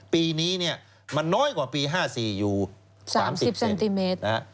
ปีนี้มันน้อยกว่าปี๕๔อยู่๓๐เซนติเมตร